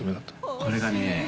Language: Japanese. これがね